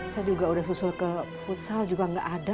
saya juga udah susul ke futsal juga nggak ada